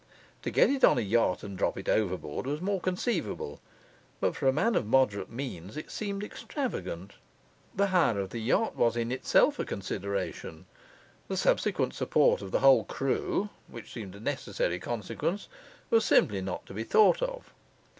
To get it on a yacht and drop it overboard, was more conceivable; but for a man of moderate means it seemed extravagant. The hire of the yacht was in itself a consideration; the subsequent support of the whole crew (which seemed a necessary consequence) was simply not to be thought of.